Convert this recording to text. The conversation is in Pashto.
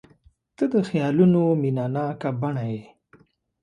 • ته د خیالونو مینهناکه بڼه یې.